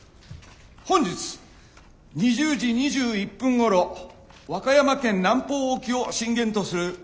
本日２０時２１分ごろ和歌山県南方沖を震源とする地震が発生しました。